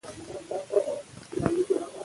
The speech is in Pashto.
زده کړه د نجونو منطقي استدلال پیاوړی کوي.